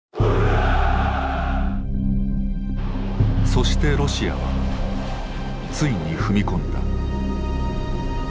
そしてロシアはついに踏み込んだ。